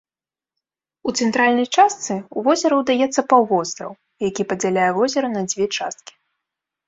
У цэнтральнай частцы ў возера удаецца паўвостраў, які падзяляе возера на дзве часткі.